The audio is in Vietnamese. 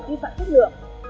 tuy phạm thất lượng